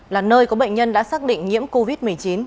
là nơi có bệnh nhân đã xác định nhiễm covid một mươi chín